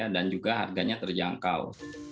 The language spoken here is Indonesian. dan juga harganya terjangkau